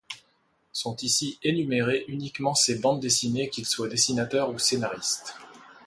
Sont ici énumérées uniquement ses bandes dessinées, qu'il soit dessinateur ou scénariste.